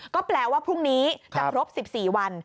ก็แปลว่าพรุ่งนี้จะครบ๑๔วัน